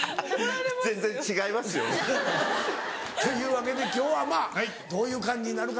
全然違いますよね。というわけで今日はまぁどういう感じになるか。